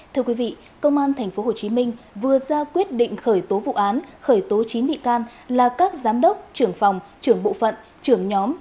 thưa quý vị công an tp hcm vừa ra quyết định khởi tố vụ án khởi tố chín bị can là các giám đốc trưởng phòng trưởng bộ phận trưởng nhóm